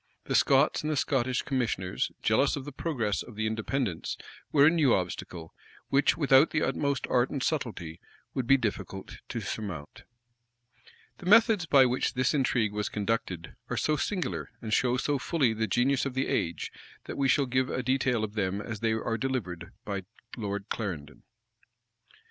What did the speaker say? The Scots and the Scottish commissioners, jealous of the progress of the Independents, were a new obstacle, which, without the utmost art and subtlety, it would be difficult to surmount.[] * Clarendon, vol. v. p. 562. Clarendon, vol. v. p. 562. The methods by which this intrigue was conducted are so singular, and show so fully the genius of the age, that we shall give a detail of them as they are delivered by Lord Clarendon.